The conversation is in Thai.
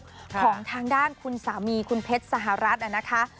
ของทางด้านคุณสามีคุณเพชรสหรัฐนะคะ